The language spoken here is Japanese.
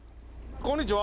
こんにちは。